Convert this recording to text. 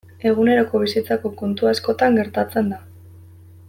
Eguneroko bizitzako kontu askotan gertatzen da.